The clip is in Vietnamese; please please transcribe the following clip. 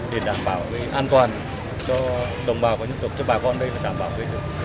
để đảm bảo an toàn cho đồng bào của nhân tộc cho bà con đây và đảm bảo vệ trung